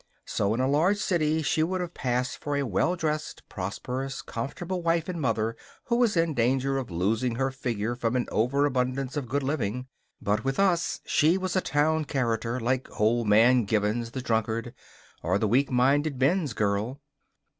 So in a large city she would have passed for a well dressed, prosperous, comfortable wife and mother who was in danger of losing her figure from an overabundance of good living; but with us she was a town character, like Old Man Givins, the drunkard, or the weak minded Binns girl.